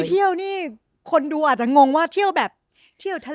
เที่ยวนี่คนดูอาจจะงงว่าเที่ยวแบบเที่ยวทะเล